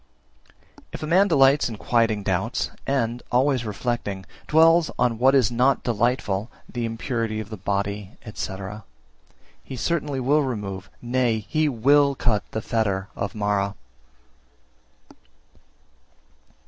350. If a man delights in quieting doubts, and, always reflecting, dwells on what is not delightful (the impurity of the body, &c.), he certainly will remove, nay, he will cut the fetter of Mara.